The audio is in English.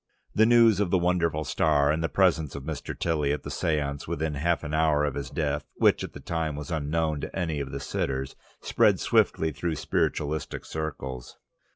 The news of the wonderful star, and the presence of Mr. Tilly at the séance within half an hour of his death, which at the time was unknown to any of the sitters, spread swiftly through spiritualistic circles.